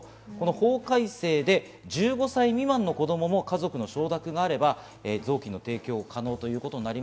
法改正で１５歳未満の子供も家族の承諾があれば臓器の提供が可能ということです。